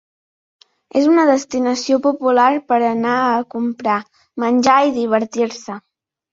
És una destinació popular per anar a comprar, menjar i divertir-se.